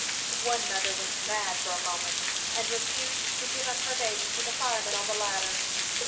One mother went mad for a moment, and refused to give up her baby to the fireman on the ladder.